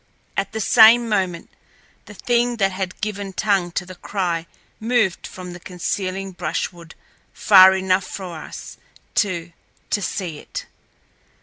At the same moment the thing that had given tongue to the cry moved from the concealing brushwood far enough for us, too, to see it.